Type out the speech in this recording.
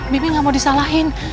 bibi gak mau disalahin